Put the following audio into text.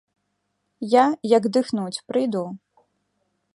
Я, як дыхнуць, прыйду.